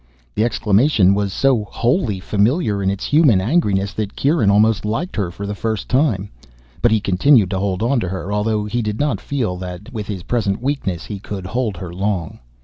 The exclamation was so wholly familiar in its human angriness that Kieran almost liked her, for the first time. But he continued to hold onto her, although he did not feel that with his present weakness he could hold her long.